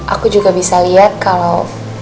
aku juga bisa lihat kalau